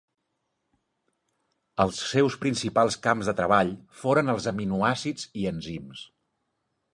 Els seus principals camps de treball foren els aminoàcids i enzims.